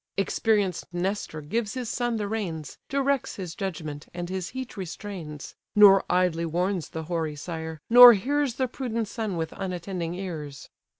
Experienced Nestor gives his son the reins, Directs his judgment, and his heat restrains; Nor idly warns the hoary sire, nor hears The prudent son with unattending ears.